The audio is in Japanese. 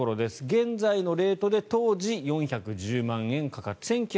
現在のレートで当時４１０万円かかったと。